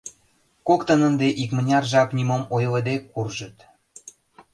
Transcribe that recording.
Коктын ынде икмыняр жап нимом ойлыде куржыт.